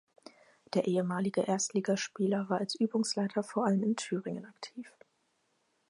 Der ehemalige Erstligaspieler war als Übungsleiter vor allem in Thüringen aktiv.